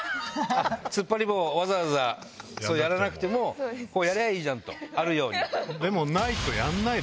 突っ張り棒わざわざやらなくてもこうやりゃいいじゃん！と。